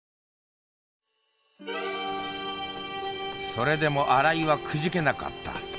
それでも新井はくじけなかった。